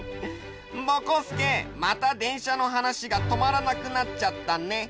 ぼこすけまたでんしゃのはなしがとまらなくなっちゃったね。